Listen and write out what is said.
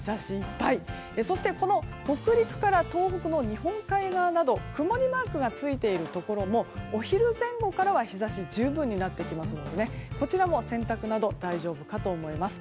そして、北陸から東北の日本海側など曇りマークがついているところもお昼前後からは日差し十分になってきますのでこちらも洗濯など大丈夫かと思います。